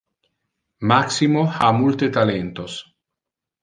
Maximo ha multe talentos.